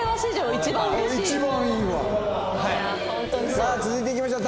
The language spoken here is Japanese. さあ続いていきましょう。